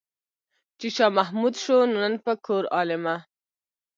چې شاه محمود شو نن په کور عالمه.